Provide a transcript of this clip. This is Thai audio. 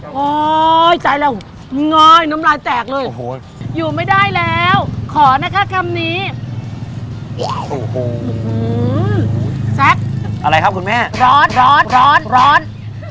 วันหลังถ้าว่างเรียกมาอีกนัด